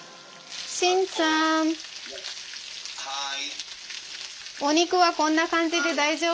・はい。